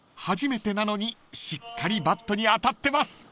初めてなのにしっかりバットに当たってます］